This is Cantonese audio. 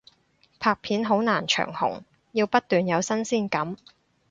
拍片好難長紅，要不斷有新鮮感